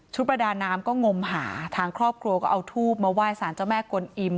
ประดาน้ำก็งมหาทางครอบครัวก็เอาทูบมาไหว้สารเจ้าแม่กวนอิม